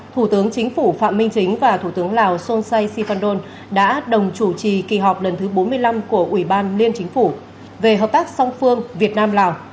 thủ tướng chính phủ phạm minh chính và thủ tướng lào son say sikhandon đã đồng chủ trì kỳ họp lần thứ bốn mươi năm của ủy ban liên chính phủ về hợp tác song phương việt nam lào